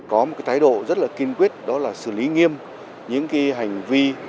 có một cái thái độ rất là kiên quyết đó là xử lý nghiêm những hành vi